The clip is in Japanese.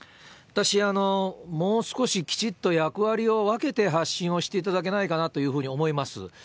私、もう少しきちっと役割を分けて発信をしていただけないかなというふうに思います。